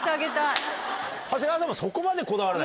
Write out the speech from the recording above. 長谷川さんでも。